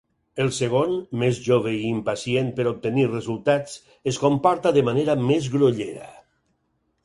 El segon, més jove i impacient per obtenir resultats, es comporta de manera més grollera.